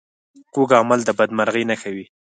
کوږ عمل د بدمرغۍ نښه وي